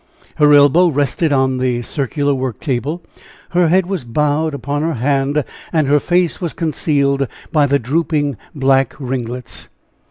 Her elbow rested on the circular work table, her head was bowed upon her hand, and her face was concealed by the drooping black ringlets.